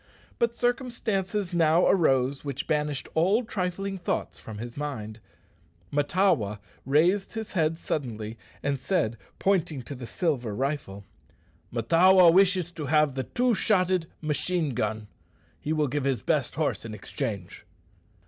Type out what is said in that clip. But circumstances now arose which banished all trifling thoughts from his mind. Mahtawa raised his head suddenly, and said, pointing to the silver rifle, "Mahtawa wishes to have the two shotted medicine gun. He will give his best horse in exchange."